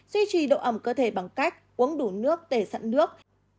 duy trì độ ẩm cơ thể bằng cách uống đủ nước để sẵn nước